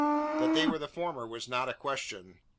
That they were the former there was not a question.